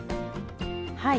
はい。